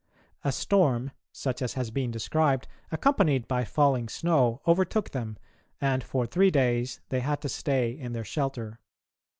A storm, such as has been described, accompanied by falling snow, overtook them, and for three days they had to stay in their shelter.